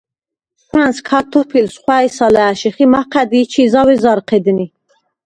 შუ̂ა̈ნს ქართობილს ხუ̂ა̈ჲს ალა̄̈შიხ ი მაჴა̈დი ჩი ზაუ̂ ეზერ ჴედნი.